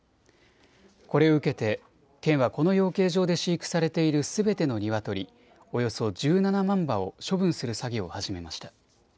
これを受けて県はこの養鶏場で飼育されているすべてのニワトリおよそ１７万羽を処分する作業を始めました。